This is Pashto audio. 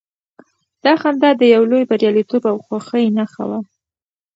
دا خندا د يو لوی برياليتوب او خوښۍ نښه وه.